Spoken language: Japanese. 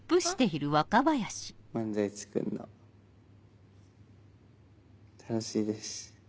漫才作るの楽しいです。